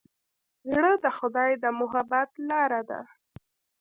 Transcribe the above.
زړه د خدای د محبت لاره ده.